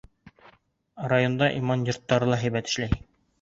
Районда иман йорттары ла һәйбәт эшләй.